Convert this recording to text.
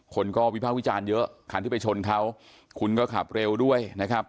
คนก็วิภาควิจารณ์เยอะคันที่ไปชนเขาคุณก็ขับเร็วด้วยนะครับ